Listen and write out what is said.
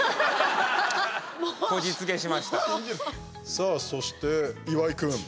さあ、そして岩井君。